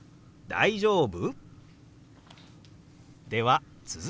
大丈夫？」。